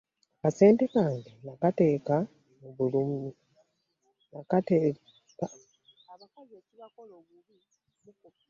Akasente kange nakatereka mu bulumi.